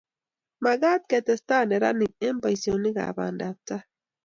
Magat ketesta neranik eng boisionikab bandaptai